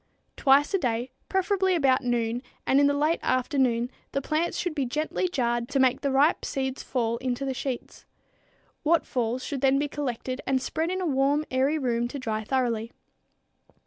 Twice a day, preferably about noon, and in the late afternoon the plants should be gently jarred to make the ripe seeds fall into the sheets. What falls should then be collected and spread in a warm, airy room to dry thoroughly.